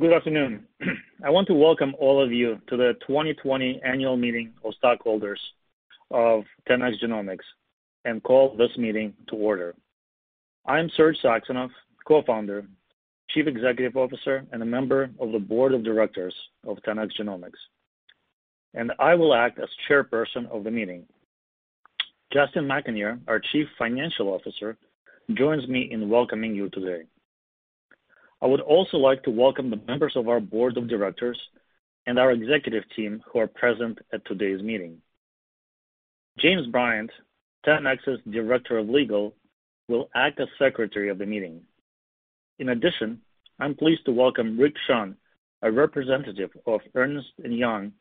Good afternoon. I want to welcome all of you to the 2020 annual meeting of stockholders of 10x Genomics and call this meeting to order. I am Serge Saxonov, Co-founder, Chief Executive Officer, and a member of the Board of Directors of 10x Genomics, and I will act as Chairperson of the meeting. Justin McAnear, our Chief Financial Officer, joins me in welcoming you today. I would also like to welcome the members of our Board of Directors and our executive team who are present at today's meeting. James Bryant, 10x's Director of Legal, will act as Secretary of the meeting. In addition, I am pleased to welcome Rick Shunn, a representative of Ernst & Young,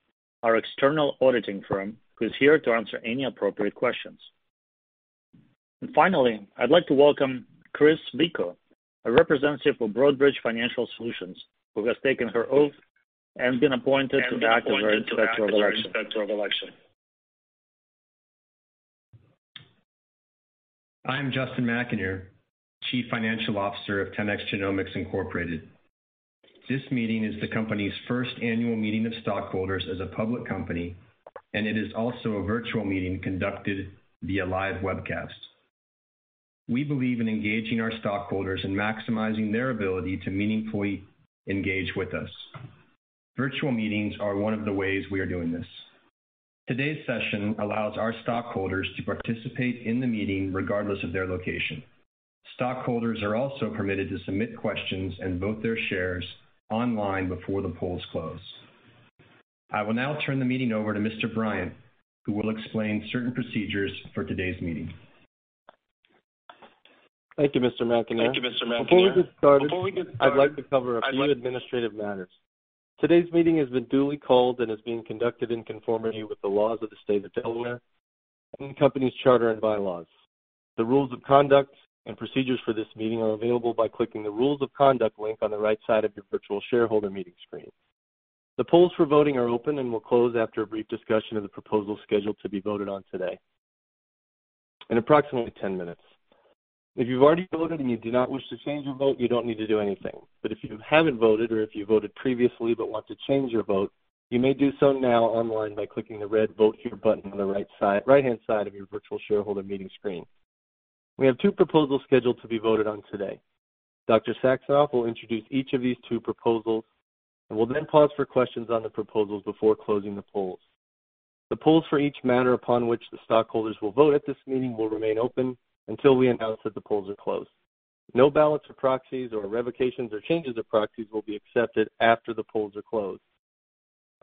our external auditing firm, who is here to answer any appropriate questions. Finally, I would like to welcome Chris Vicco, a representative for Broadridge Financial Solutions, who has taken her oath and been appointed to act as our Inspector of Election. I am Justin McAnear, Chief Financial Officer of 10x Genomics, Inc. This meeting is the company's first annual meeting of stockholders as a public company, and it is also a virtual meeting conducted via live webcast. We believe in engaging our stockholders and maximizing their ability to meaningfully engage with us. Virtual meetings are one of the ways we are doing this. Today's session allows our stockholders to participate in the meeting regardless of their location. Stockholders are also permitted to submit questions and vote their shares online before the polls close. I will now turn the meeting over to Mr. Bryant, who will explain certain procedures for today's meeting. Thank you, Mr. McAnear. Before we get started, I would like to cover a few administrative matters. Today's meeting has been duly called and is being conducted in conformity with the laws of the State of Delaware and the company's charter and bylaws. The Rules of Conduct and procedures for this meeting are available by clicking the Rules of Conduct link on the right side of your virtual shareholder meeting screen. The polls for voting are open and will close after a brief discussion of the proposal scheduled to be voted on today in approximately 10 minutes. If you have already voted and you do not wish to change your vote, you do not need to do anything. If you haven't voted or if you voted previously but want to change your vote, you may do so now online by clicking the red Vote Here button on the right-hand side of your virtual shareholder meeting screen. We have two proposals scheduled to be voted on today. Dr. Saxonov will introduce each of these two proposals, and will then pause for questions on the proposals before closing the polls. The polls for each matter upon which the stockholders will vote at this meeting will remain open until we announce that the polls are closed. No ballots or proxies or revocations or changes of proxies will be accepted after the polls are closed.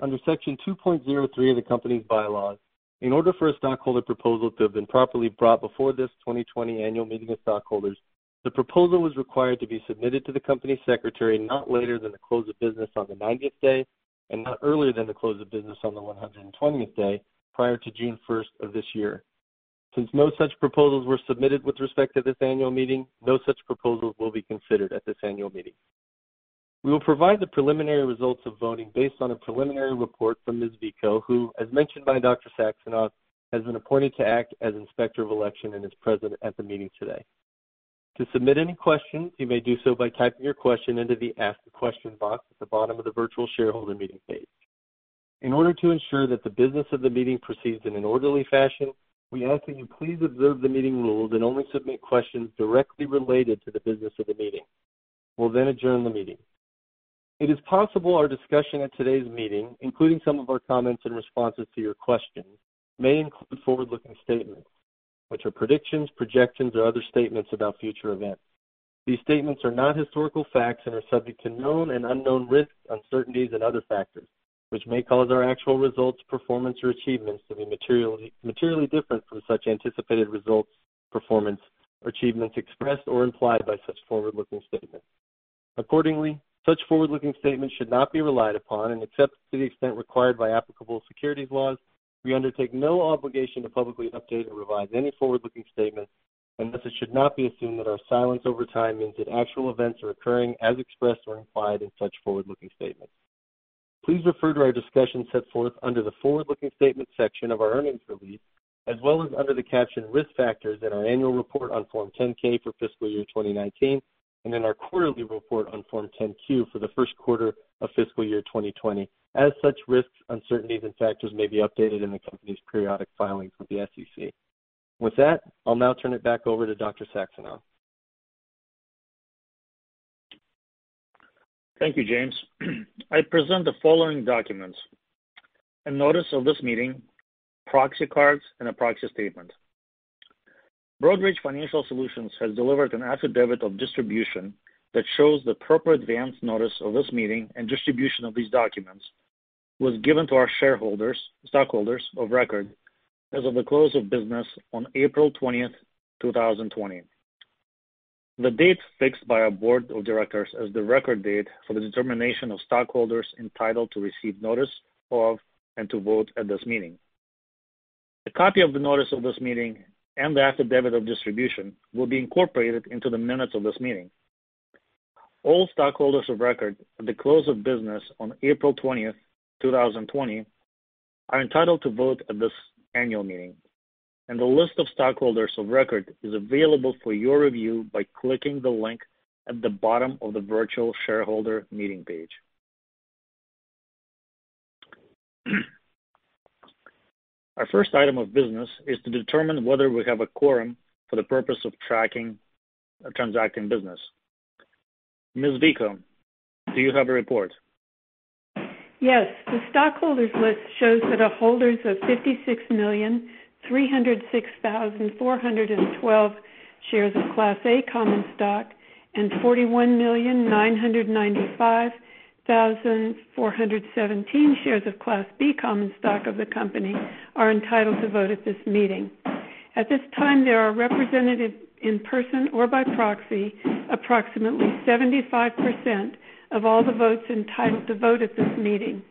Under Section 2.03 of the company's bylaws, in order for a stockholder proposal to have been properly brought before this 2020 annual meeting of stockholders, the proposal was required to be submitted to the company secretary not later than the close of business on the 90th day and not earlier than the close of business on the 120th day prior to June 1st of this year. Since no such proposals were submitted with respect to this annual meeting, no such proposals will be considered at this annual meeting. We will provide the preliminary results of voting based on a preliminary report from Ms. Vicco, who, as mentioned by Dr. Saxonov, has been appointed to act as Inspector of Election and is present at the meeting today. To submit any questions, you may do so by typing your question into the Ask a Question box at the bottom of the virtual shareholder meeting page. In order to ensure that the business of the meeting proceeds in an orderly fashion, we ask that you please observe the meeting rules and only submit questions directly related to the business of the meeting. We'll then adjourn the meeting. It is possible our discussion at today's meeting, including some of our comments in responses to your questions, may include forward-looking statements, which are predictions, projections, or other statements about future events. These statements are not historical facts and are subject to known and unknown risks, uncertainties and other factors, which may cause our actual results, performance or achievements to be materially different from such anticipated results, performance or achievements expressed or implied by such forward-looking statements. Accordingly, such forward-looking statements should not be relied upon, and except to the extent required by applicable securities laws, we undertake no obligation to publicly update or revise any forward-looking statements, and thus it should not be assumed that our silence over time means that actual events are occurring as expressed or implied in such forward-looking statements. Please refer to our discussion set forth under the Forward-Looking Statements section of our earnings release, as well as under the caption Risk Factors in our annual report on Form 10-K for fiscal year 2019, and in our quarterly report on Form 10-Q for the first quarter of fiscal year 2020, as such risks, uncertainties and factors may be updated in the company's periodic filings with the SEC. With that, I'll now turn it back over to Dr. Saxonov. Thank you, James. I present the following documents. A notice of this meeting, proxy cards, and a proxy statement. Broadridge Financial Solutions has delivered an affidavit of distribution that shows the proper advanced notice of this meeting and distribution of these documents was given to our stockholders of record as of the close of business on April 20th, 2020, the date fixed by our board of directors as the record date for the determination of stockholders entitled to receive notice of and to vote at this meeting. A copy of the notice of this meeting and the affidavit of distribution will be incorporated into the minutes of this meeting. All stockholders of record at the close of business on April 20th, 2020 are entitled to vote at this annual meeting. The list of stockholders of record is available for your review by clicking the link at the bottom of the virtual shareholder meeting page. Our first item of business is to determine whether we have a quorum for the purpose of transacting business. Ms. Vicco, do you have a report? Yes. The stockholders' list shows that the holders of 56,306,412 shares of Class A common stock and 41,995,417 shares of Class B common stock of the company are entitled to vote at this meeting. At this time, there are represented, in person or by proxy, approximately 75% of all the votes entitled to vote at this meeting.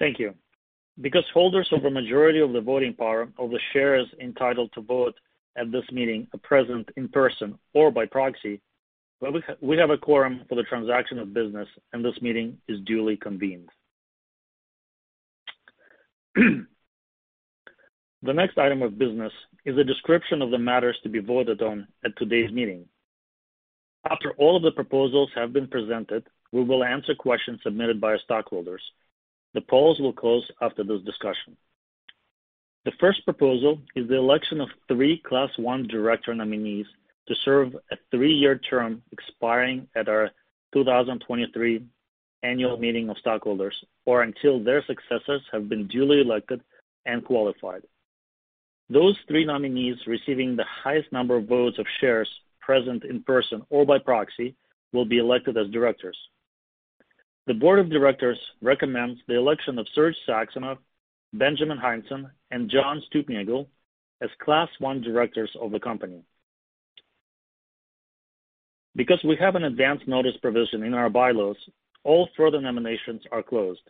Thank you. Holders of a majority of the voting power of the shares entitled to vote at this meeting are present in person or by proxy, we have a quorum for the transaction of business. This meeting is duly convened. The next item of business is a description of the matters to be voted on at today's meeting. After all of the proposals have been presented, we will answer questions submitted by stockholders. The polls will close after this discussion. The first proposal is the election of three Class I director nominees to serve a three-year term expiring at our 2023 annual meeting of stockholders or until their successors have been duly elected and qualified. Those three nominees receiving the highest number of votes of shares present in person or by proxy will be elected as directors. The board of directors recommends the election of Serge Saxonov, Benjamin Hindson, and John Stuelpnagel as Class I directors of the company. Because we have an advance notice provision in our bylaws, all further nominations are closed.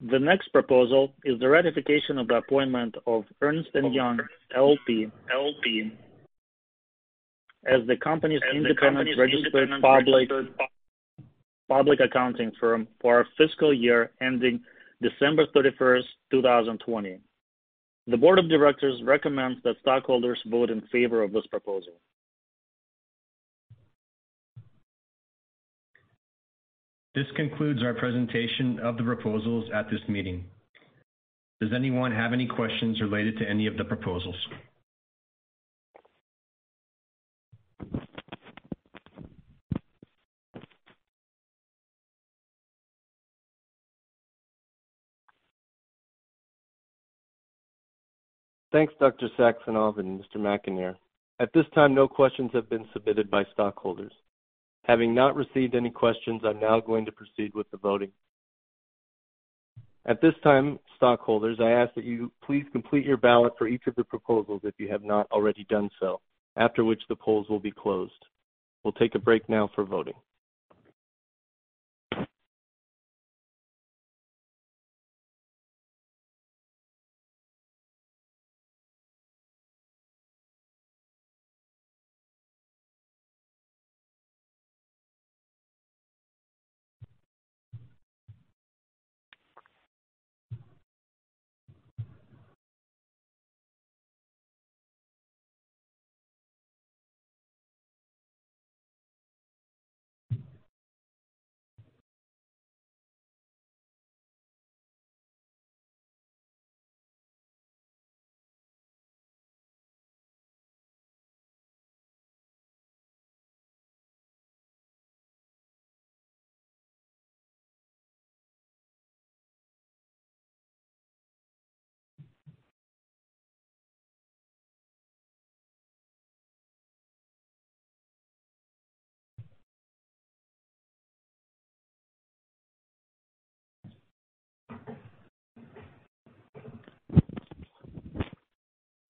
The next proposal is the ratification of the appointment of Ernst & Young LLP as the company's independent registered public accounting firm for our fiscal year ending December 31st, 2020. The board of directors recommends that stockholders vote in favor of this proposal. This concludes our presentation of the proposals at this meeting. Does anyone have any questions related to any of the proposals? Thanks, Dr. Saxonov and Mr. McAnear. At this time, no questions have been submitted by stockholders. Having not received any questions, I'm now going to proceed with the voting. At this time, stockholders, I ask that you please complete your ballot for each of the proposals if you have not already done so, after which the polls will be closed. We'll take a break now for voting.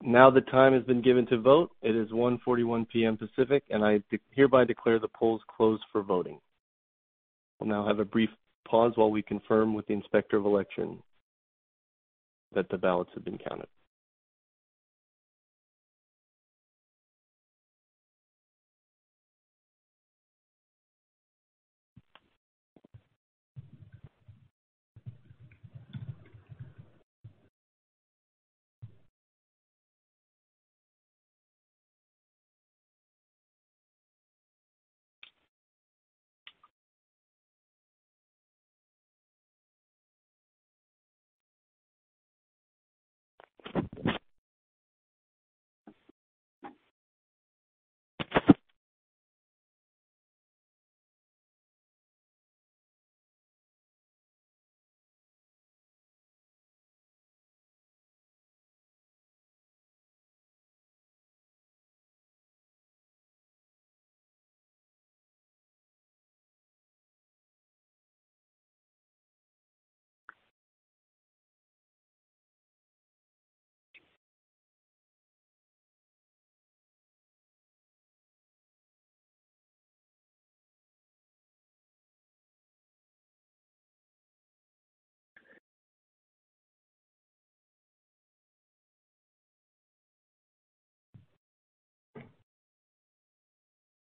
Now the time has been given to vote. It is 1:41 P.M. Pacific, and I hereby declare the polls closed for voting. We'll now have a brief pause while we confirm with the inspector of election that the ballots have been counted.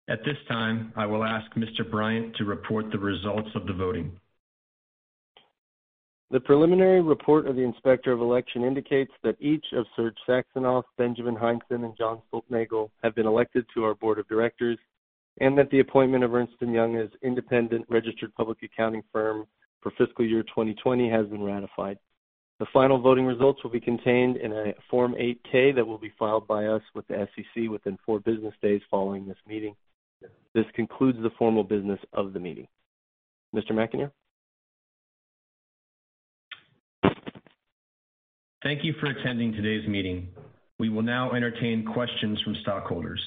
At this time, I will ask Mr. Bryant to report the results of the voting. The preliminary report of the Inspector of Election indicates that each of Serge Saxonov, Benjamin Hindson, and John R. Stuelpnagel have been elected to our board of directors, and that the appointment of Ernst & Young as independent registered public accounting firm for fiscal year 2020 has been ratified. The final voting results will be contained in a Form 8-K that will be filed by us with the SEC within four business days following this meeting. This concludes the formal business of the meeting. Mr. McAnear. Thank you for attending today's meeting. We will now entertain questions from stockholders.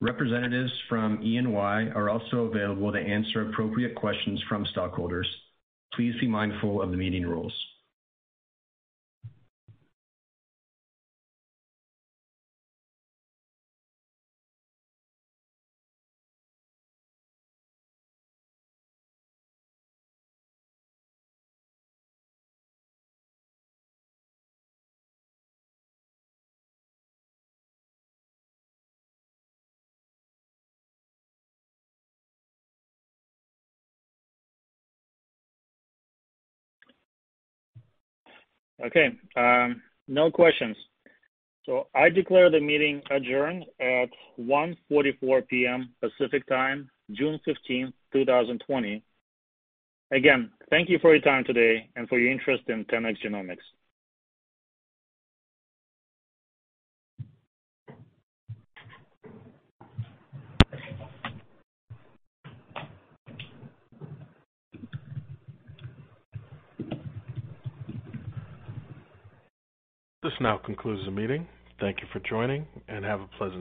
Representatives from EY are also available to answer appropriate questions from stockholders. Please be mindful of the meeting rules. Okay. No questions. I declare the meeting adjourned at 1:44 P.M. Pacific Time, June 15, 2020. Again, thank you for your time today and for your interest in 10x Genomics. This now concludes the meeting. Thank you for joining, and have a pleasant day